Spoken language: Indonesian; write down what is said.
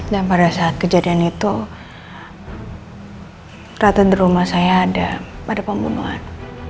dan pada saat kejadian itu rata rata rumah saya ada pembuluhan